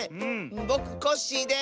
ぼくコッシーです！